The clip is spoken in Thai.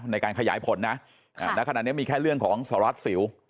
ในการขยายผลนะค่ะแต่ขณะนี้มีแค่เรื่องของสสิล